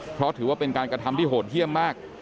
เพราะถือว่าเป็นการกระทำที่โหดเยี่ยมมาก